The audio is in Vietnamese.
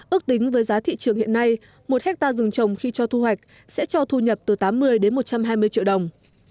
ước tính với giá thị trường hiện nay một hectare rừng trồng khi cho thu hoạch sẽ cho thu nhập từ tám mươi đến một trăm hai mươi triệu đồng